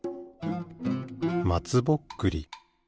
まつぼっくり。